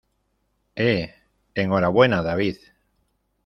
¡ eh! enhorabuena, David.